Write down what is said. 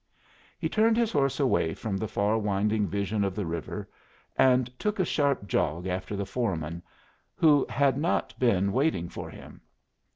He turned his horse away from the far winding vision of the river, and took a sharp jog after the foreman, who had not been waiting for him.